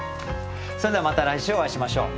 それではまた来週お会いしましょう。